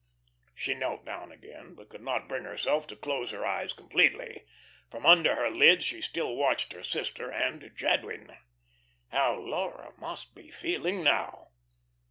She knelt down again, but could not bring herself to close her eyes completely. From under her lids she still watched her sister and Jadwin. How Laura must be feeling now!